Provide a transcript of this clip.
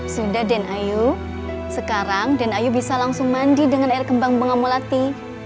sudah den ayu sekarang dan ayu bisa langsung mandi dengan air kembang bengamulati